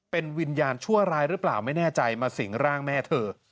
เป็นวิญญาณชั่วร้ายหรือเปล่าไม่แน่ใจมาสิงร่างแม่เธอ